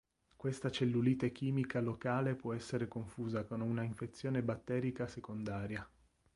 Questa cellulite chimica locale può essere confusa con una infezione batterica secondaria.